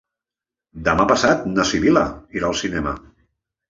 Demà passat na Sibil·la irà al cinema.